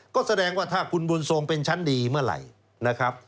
ก็แสดงว่าถ้าคุณบุญทรงเป็นชั้นดีเมื่อไหร่นะครับ